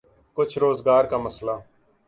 کچھ روزگار کا مسئلہ۔